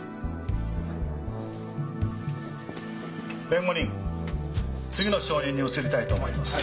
弁護人次の証人に移りたいと思います。